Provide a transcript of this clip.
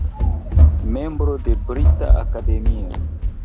Membro de Brita Akademio.